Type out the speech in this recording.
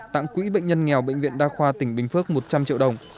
tặng quỹ bệnh nhân nghèo bệnh viện đa khoa tỉnh bình phước một trăm linh triệu đồng